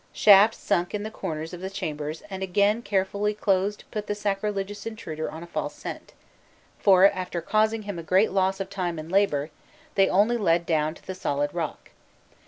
Shafts sunk in the corners of the chambers and again carefully closed put the sacrilegious intruder on a false scent, for, after causing him a great loss of time and labour, they only led down to the solid rock.